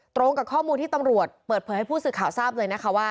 ตรงกับข้อมูลที่ตำรวจเปิดเผยให้ผู้สื่อข่าวทราบเลยนะคะว่า